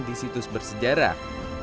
di situs bersejarah